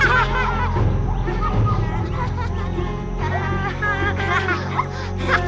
semua temen temen lili akan jadi musuh aku